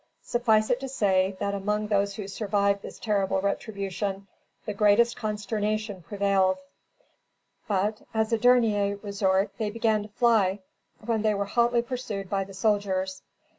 Suffice it to say, that among those who survived this terrible retribution, the greatest consternation prevailed; but, as a dernier resort, they began to fly, when they were hotly pursued by the soldiers.